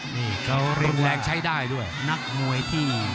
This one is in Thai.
นี่ก็เรียกว่านักมวยที่